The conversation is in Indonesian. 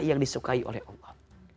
yang disukai oleh allah